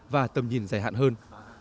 và tầm nhìn dài hạn hơn